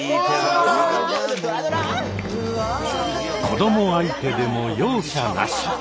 子ども相手でも容赦なし。